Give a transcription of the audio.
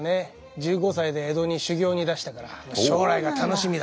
１５歳で江戸に修行に出したから将来が楽しみだ。